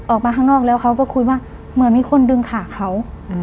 ออกมาข้างนอกแล้วเขาก็คุยว่าเหมือนมีคนดึงขาเขา